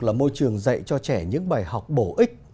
là môi trường dạy cho trẻ những bài học bổ ích